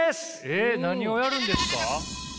えっ何をやるんですか？